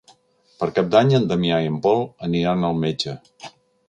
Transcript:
Per Cap d'Any en Damià i en Pol aniran al metge.